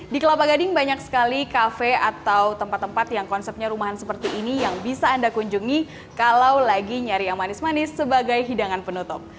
di kelapa gading banyak sekali kafe atau tempat tempat yang konsepnya rumahan seperti ini yang bisa anda kunjungi kalau lagi nyari yang manis manis sebagai hidangan penutup